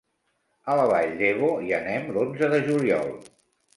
A la Vall d'Ebo hi anem l'onze de juliol.